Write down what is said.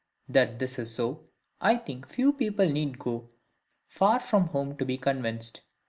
That this is so, I think few people need go far from home to be convinced.